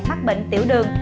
mắc bệnh tiểu đường